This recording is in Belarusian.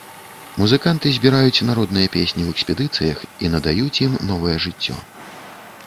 Музыканты збіраюць народныя песні ў экспедыцыях і надаюць ім новае жыццё.